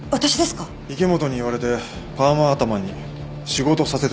池本に言われてパーマ頭に仕事させてたんだろ？